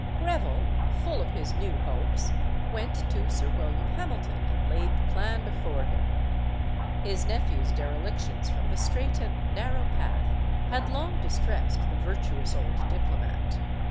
Greville, full of his new nopes, went to Sir William Hamilton and laid the plan before him. His nephew's derelictions from the straight and narrow path had long distressed the virtuous old diplomat.